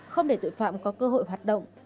không để tội phạm có cơ hội hoạt động